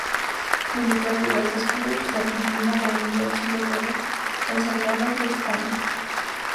Militó en diversos clubes de Argentina, Bolivia, Chile, Perú, El Salvador y España.